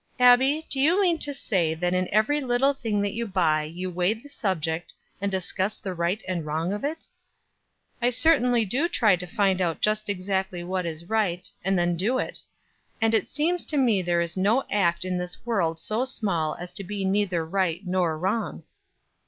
"Abbie, do you mean to say that in every little thing that you buy you weigh the subject, and discuss the right and wrong of it?" "I certainly do try to find out just exactly what is right, and then do it; and it seems to me there is no act in this world so small as to be neither right nor wrong."